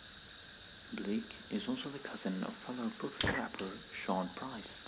Bleek is also the cousin of fellow Brooklyn rapper Sean Price.